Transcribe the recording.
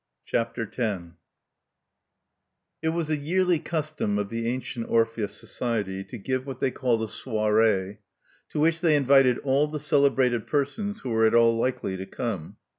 CHAPTER X It was a yearly ciistom of the Antient Orpheus Society to give what they called a soiree, to which they invited all the celebrated persons who were at all likely to come.